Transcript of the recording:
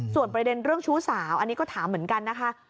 ส่วนประเด็นเรื่องชู้สาวอันนี้ก็ถามเหมือนกันนะคะ